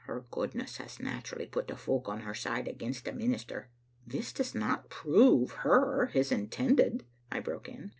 Her goodness has naturally put the folk on her side against the minister." " This does not prove her his intended," I broke in.